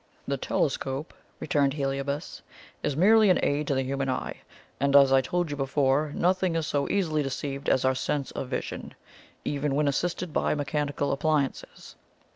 "The telescope," returned Heliobas, "is merely an aid to the human eye; and, as I told you before, nothing is so easily deceived as our sense of vision, even when assisted by mechanical appliances.